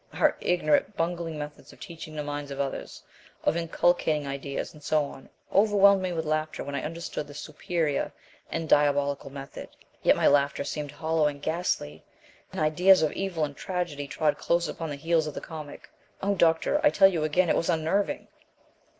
Our ignorant, bungling methods of teaching the minds of others, of inculcating ideas, and so on, overwhelmed me with laughter when I understood this superior and diabolical method. Yet my laughter seemed hollow and ghastly, and ideas of evil and tragedy trod close upon the heels of the comic. Oh, doctor, I tell you again, it was unnerving!"